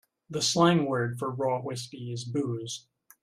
The slang word for raw whiskey is booze.